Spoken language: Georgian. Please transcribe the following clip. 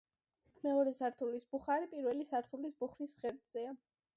მეორე სართულის ბუხარი პირველი სართულის ბუხრის ღერძზეა.